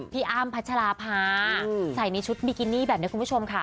อ้ามพัชราภาใส่ในชุดบิกินี่แบบนี้คุณผู้ชมค่ะ